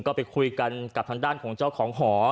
ก็ไปคุยกันกับทางด้านของเจ้าของหอ